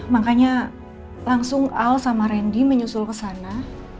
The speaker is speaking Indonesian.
makanya langsung al sama randy menyusul ke sana